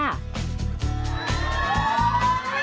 สวัสดี